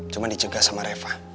cuma dicegah sama reva